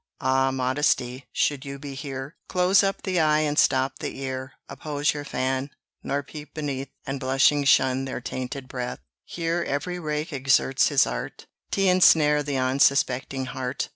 Ah! Modesty, should you be here, Close up the eye and stop the ear; Oppose your fan, nor peep beneath, And blushing shun their tainted breath. Here every rake exerts his art T' ensnare the unsuspecting heart.